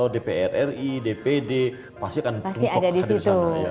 dpr ri dpd pasti akan rumpuh ke hadir sana